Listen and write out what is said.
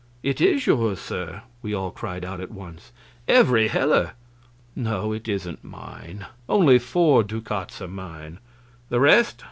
"It is yours, sir!" we all cried out at once, "every heller!" "No it isn't mine. Only four ducats are mine; the rest...!"